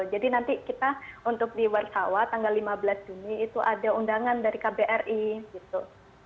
jadi nanti kita untuk di warsawa tanggal lima belas juni itu ada undangan dari kbri gitu